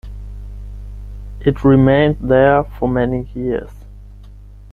It remained there for many years.